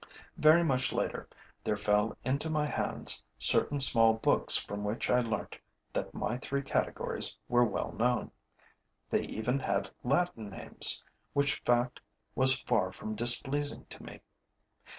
Very much later there fell into my hands certain small books from which I learnt that my three categories were well known; they even had Latin names, which fact was far from displeasing to me.